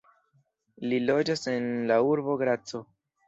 Li loĝas en la urbo Graco.